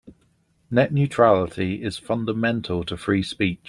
Net neutrality is fundamental to free speech.